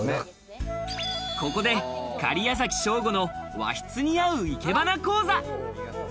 ここで假屋崎省吾の和室に合う生け花講座。